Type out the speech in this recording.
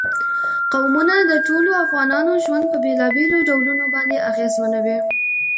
قومونه د ټولو افغانانو ژوند په بېلابېلو ډولونو باندې اغېزمنوي.